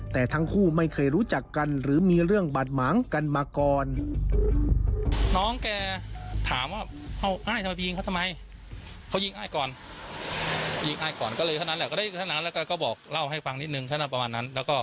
แต่ทั้งคู่ไม่เคยรู้จักกันหรือมีเรื่องบาดหมางกันมาก่อน